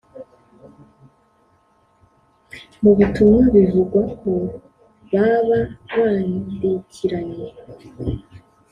Mu butumwa bivugwa ko baba bandikiranye